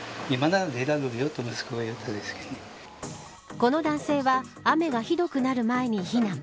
この男性は雨がひどくなる前に避難。